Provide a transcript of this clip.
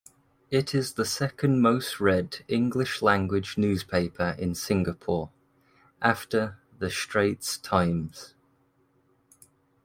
It is the second-most-read English-language newspaper in Singapore, after "The Straits Times".